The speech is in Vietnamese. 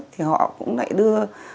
thì họ cũng lại đưa